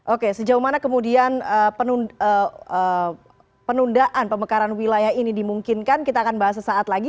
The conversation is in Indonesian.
oke sejauh mana kemudian penundaan pemekaran wilayah ini dimungkinkan kita akan bahas sesaat lagi